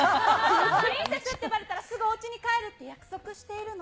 プリンセスって呼ばれたら、すぐおうちに帰るって約束しているの。